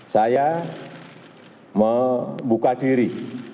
saya membuka diri